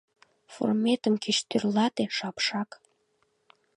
— Форметым кеч тӧрлате, шапшак.